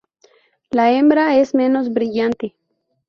La hembra es menos brillante.